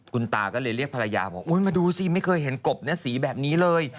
คุณตาก็เลยเรียกภรรยาบอกอุ๊ยมาดูสิไม่เคยเห็นกบเนื้อสีแบบนี้เลย